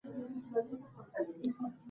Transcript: پښتنو لیکوالانو ستر خدمات کړي دي.